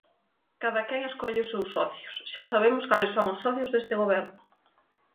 Cadaquén escolle os seus socios; xa sabemos cales son os socios deste goberno.